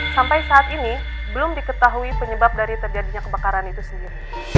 sampai saat ini belum diketahui penyebab dari terjadinya kebakaran itu sendiri